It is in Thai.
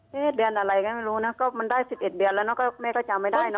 เดือนอะไรก็ไม่รู้นะก็มันได้๑๑เดือนแล้วเนอะแม่ก็จำไม่ได้นะ